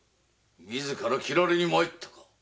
自ら切られに参ったか。